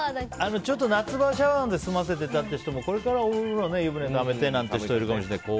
夏場シャワーで済ませてた人もこれから湯船ためてなんて人もいるかもしれないけど。